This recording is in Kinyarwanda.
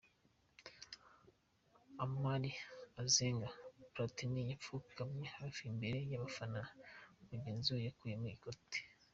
Amari azenga, Platini yapfukamye hafi imbere y’abafana mugenzi we yakuyemo ikote.